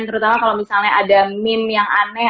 terutama kalau misalnya ada meme yang aneh